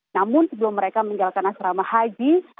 namun sebelum mereka meninggalkan asrama haji